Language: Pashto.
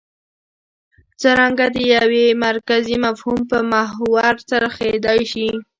څرنګه د یوه مرکزي مفهوم پر محور څرخېدای شي.